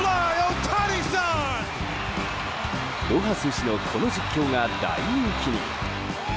ロハス氏のこの実況が大人気に。